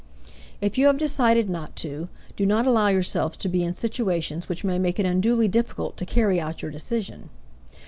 If you have decided not to, do not allow yourselves to be in situations which make it unduly difficult to carry out your decision.